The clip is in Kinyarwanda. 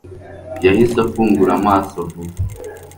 yahise afungura amaso vuba